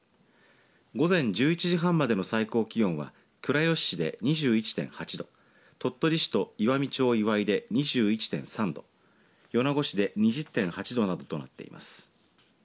午前１１時半までの最高気温は倉吉市で２１．８度鳥取市と岩美町岩井で２１．３度米子市で２０．８度などとなっています。